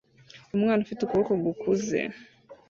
Umwana ufite ukuboko gukuze